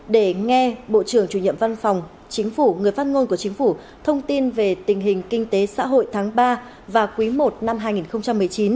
để nghe bộ trưởng chủ nhiệm văn phòng chính phủ người phát ngôn của chính phủ thông tin về tình hình kinh tế xã hội tháng ba và quý i năm hai nghìn một mươi chín